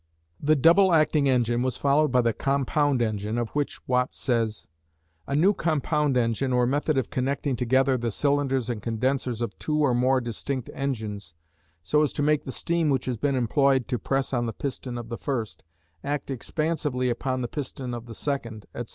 The "double acting" engine was followed by the "compound" engine, of which Watt says: A new compound engine, or method of connecting together the cylinders and condensers of two or more distinct engines, so as to make the steam which has been employed to press on the piston of the first, act expansively upon the piston of the second, etc.